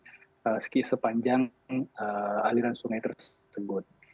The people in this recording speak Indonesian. bagi manusia yang hidup di sekitar sepanjang aliran sungai tersebut